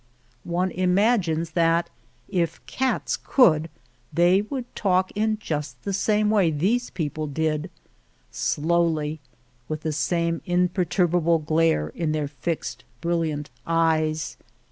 One imagines that if cats could, they would talk in just the way these people did — slowly, with the same imperturbable glare in their fixed, brilliant eyes.